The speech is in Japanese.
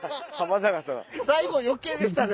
最後余計でしたね。